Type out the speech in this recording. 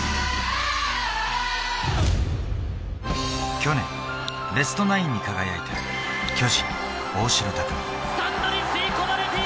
去年ベストナインに輝いた巨人・大城卓三。